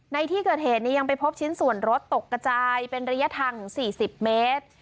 ในที่เกิดเหตุยังไปพบชิ้นส่วนรถตกกระจายเป็นระยะทาง๔๐เมตร